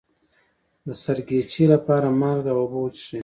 د سرګیچي لپاره مالګه او اوبه وڅښئ